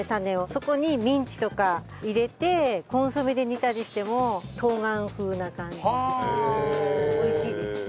そこにミンチとか入れてコンソメで煮たりしても冬瓜風な感じで美味しいです。